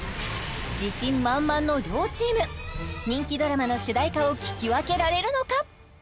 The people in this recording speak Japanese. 自信満々の両チーム人気ドラマの主題歌を聴き分けられるのか？